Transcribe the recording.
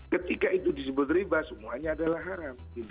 ketika itu disebut riba semuanya adalah haram